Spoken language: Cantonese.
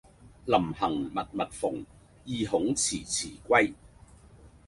臨行密密縫，意恐遲遲歸。